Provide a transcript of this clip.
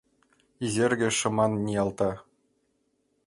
Изерге шыман ниялта.